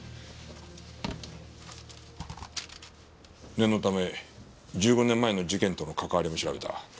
念のため１５年前の事件との関わりも調べた。